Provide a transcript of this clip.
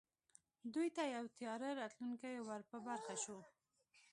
دوی ته یو تیاره راتلونکی ور په برخه شو